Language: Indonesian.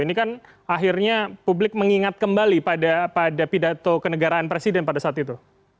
ini kan akhirnya publik mengingat kembali pada pidato kenegaraan presiden pada saat itu